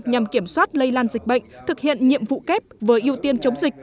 nhằm kiểm soát lây lan dịch bệnh thực hiện nhiệm vụ kép với ưu tiên chống dịch